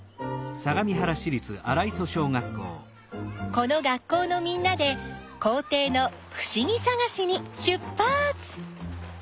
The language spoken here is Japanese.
この学校のみんなで校ていのふしぎさがしにしゅっぱつ！